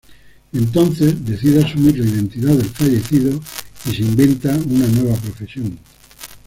Entonces, decide asumir la identidad del fallecido y se inventa una nueva profesión.